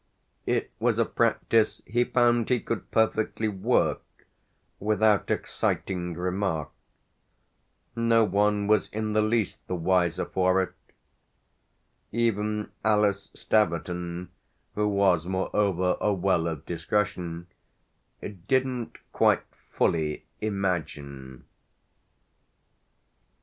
It was a practice he found he could perfectly "work" without exciting remark; no one was in the least the wiser for it; even Alice Staverton, who was moreover a well of discretion, didn't quite fully imagine.